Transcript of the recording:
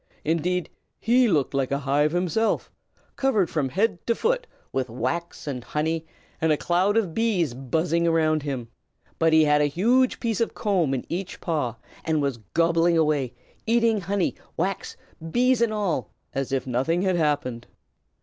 Indeed, he looked like a hive himself, covered from head to foot with wax and honey, and a cloud of bees buzzing about him. But he had a huge piece of comb in each paw, and was gobbling away, eating honey, wax, bees and all, as if nothing had happened."